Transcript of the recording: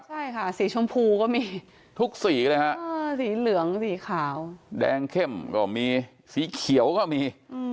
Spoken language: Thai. ใช่ค่ะสีชมพูก็มีทุกสีเลยฮะสีเหลืองสีขาวแดงเข้มก็มีสีเขียวก็มี